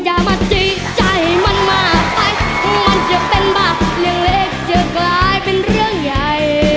อย่ามาจีใจมันมากไปมันจะเป็นบับเรื่องเล็กจะกลายเป็นเรื่องใหญ่